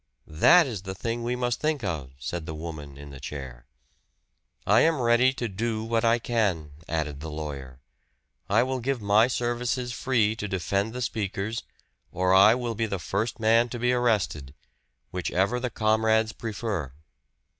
"That is the thing we must think of," said the woman in the chair. "I am ready to do what I can," added the lawyer. "I will give my services free to defend the speakers, or I will be the first man to be arrested whichever the comrades prefer."